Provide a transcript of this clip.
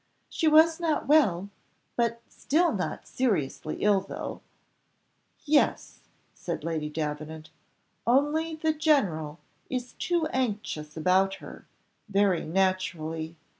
"She was not well, but still not seriously ill, though " "Yes," said Lady Davenant; "only the general is too anxious about her very naturally.